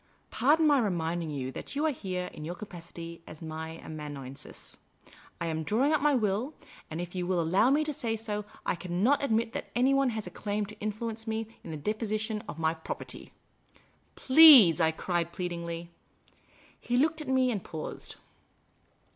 Pardon my reminding you that you are here in your capacity as my amanuensis. I am drawing up my will, and if you will allow me to say so, I cannot admit that anyone has a claim to influence me in the disposition of my Property." " Please .'" I cried, pleadingly. He looked at me and paused.